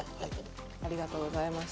ありがとうございます。